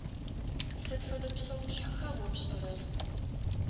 Сыд фэдэ псэушъхьэха о пшӏэрэр?